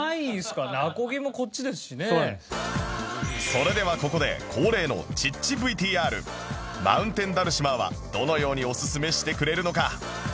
それではここで恒例のちっち ＶＴＲマウンテンダルシマーはどのようにおすすめしてくれるのか？